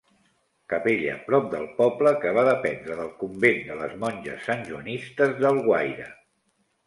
Capella prop del poble que va dependre del convent de les monges santjoanistes d'Alguaire.